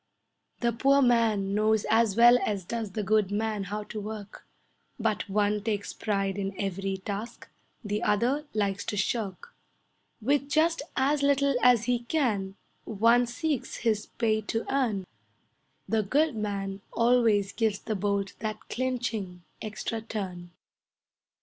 The poor man knows as well as does the good man how to work, But one takes pride in every task, the other likes to shirk; With just as little as he can, one seeks his pay to earn, The good man always gives the bolt that clinching, extra turn.